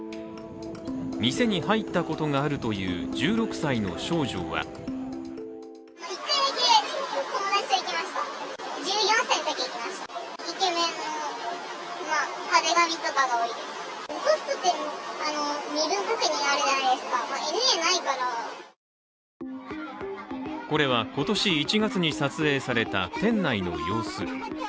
店に入ったことがあるという１６歳の少女はこれは、今年１月に撮影された店内の様子。